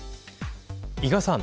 伊賀さん。